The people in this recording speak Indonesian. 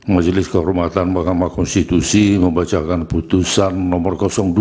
majelis kehormatan mahkamah konstitusi membacakan putusan nomor dua